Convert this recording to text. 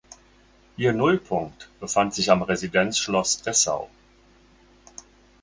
Ihr Nullpunkt befand sich am Residenzschloss Dessau.